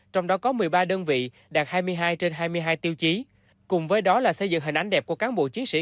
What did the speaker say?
trong đó có một mươi ba đơn vị đạt hai mươi hai trên hai mươi hai tiêu chí cùng với đó là xây dựng hình ảnh đẹp của cán bộ chiến sĩ